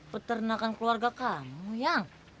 peternakan keluarga kamu yang